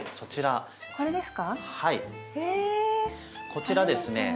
こちらですね